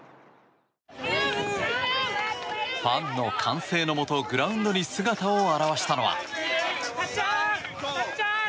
ファンの歓声のもとグラウンドに姿を現したのは。